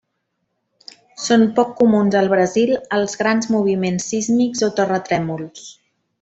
Són poc comuns al Brasil els grans moviments sísmics o terratrèmols.